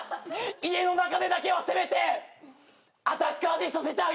家の中でだけはせめてアタッカーでいさせてあげたい！